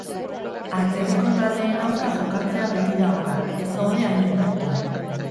Atzerriko taldeen aurka jokatzea beti da ona, ez gaude hain ohituta.